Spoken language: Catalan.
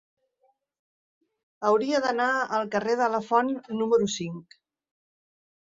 Hauria d'anar al carrer de Lafont número cinc.